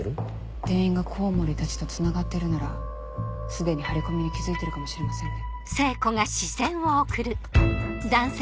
店員がコウモリたちとつながってるならすでに張り込みに気付いてるかもしれませんね。